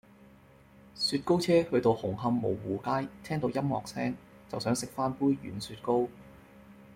雪糕車去到紅磡蕪湖街聽到音樂聲就想食返杯軟雪糕